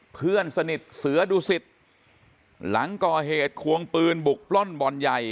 เพื่อนสนิทเสือดุสิตหลังก่อเหตุควงปืนบุกปล้นบ่อนใหญ่